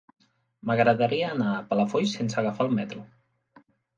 M'agradaria anar a Palafolls sense agafar el metro.